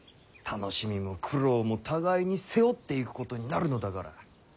楽しみも苦労も互いに背負っていくことになるのだから。